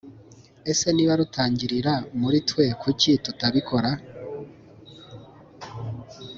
ese niba rutangirira muri twe kuki tutabikora‽